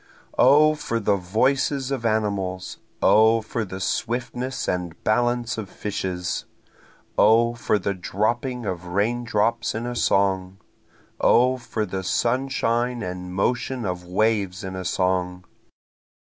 O for the voices of animals O for the swiftness and balance of fishes! O for the dropping of raindrops in a song! O for the sunshine and motion of waves in a song!